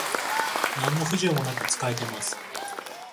なんの不自由もなく使えてます